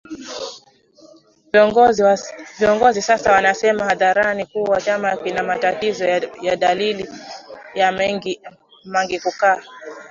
viongozi sasa wanasema hadharani kuwa chama kina matatizo ya maadili na mengine mengiKukaa